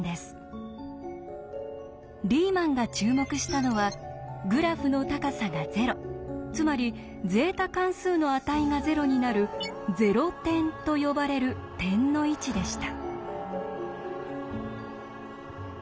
リーマンが注目したのはグラフの高さがゼロつまりゼータ関数の値がゼロになる「ゼロ点」と呼ばれる点の位置でした。